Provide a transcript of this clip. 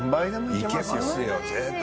いけますよ